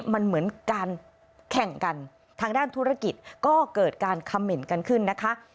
มันเหมือนการแข่งกันทางด้านธุรกิจก็เกิดการคำเหม็นกันขึ้นนะคะ